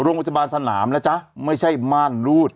โรงพยาบาลสนามนะจ๊ะไม่ใช่ม่านรูด